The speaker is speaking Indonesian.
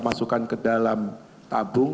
masukkan ke dalam tabung